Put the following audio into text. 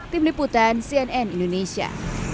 tim liputan cnn indonesia